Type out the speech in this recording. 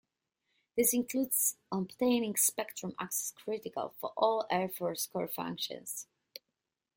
This includes obtaining spectrum access critical for all Air Force core functions.